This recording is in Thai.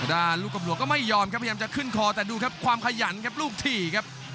ลูกกำหลวงก็ไม่ยอมครับพยายามจะขึ้นคอแต่ดูครับความขยันครับลูกถี่ครับ